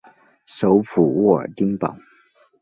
首府沃尔丁堡。